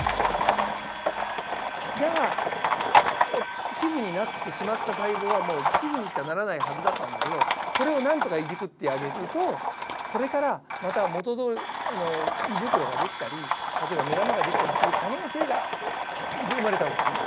じゃあ皮膚になってしまった細胞はもう皮膚にしかならないはずだったんだけどこれをなんとかいじくってあげるとこれからまた胃袋ができたり例えば目玉ができたりする可能性が生まれた訳ですね。